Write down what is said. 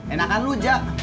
enakan lu jack